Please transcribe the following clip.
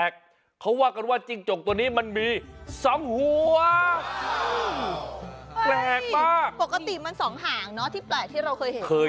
เดี๋ยวจะพาไปดูจิ้งจกแปลก